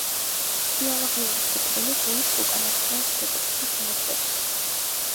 ბიოლოგიური სიკვდილი გულის უკანასკნელ შეკუმშვას მოსდევს.